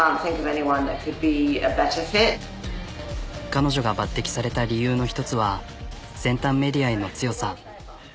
彼女が抜てきされた理由の一つは先端メディアへの強さ。